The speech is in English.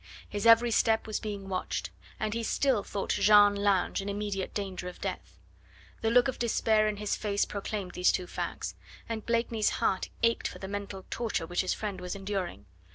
His every step was being watched, and he still thought Jeanne Lange in immediate danger of death. The look of despair in his face proclaimed these two facts, and Blakeney's heart ached for the mental torture which his friend was enduring.